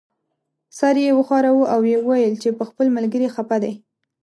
سر یې وښوراوه او یې وویل چې په خپل ملګري خپه دی.